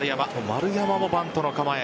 丸山もバントの構え。